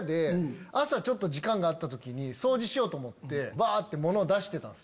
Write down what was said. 朝ちょっと時間があった時に掃除しようと思ってバって物を出してたんですよ。